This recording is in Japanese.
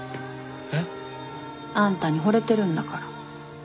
えっ？あんたにほれてるんだから。